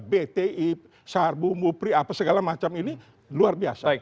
bti sarbu mupri apa segala macam ini luar biasa